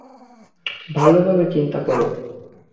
ভালোভাবে চিন্তা করো!